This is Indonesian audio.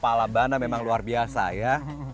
pala banda memang luar biasa ya